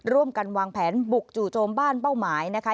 ร่วมกันวางแผนบุกจู่โจมบ้านเป้าหมายนะคะ